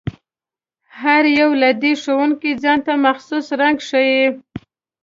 هر یو له دې ښودونکو ځانته مخصوص رنګ ښيي.